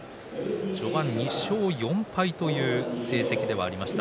序盤２勝４敗という成績ではありました。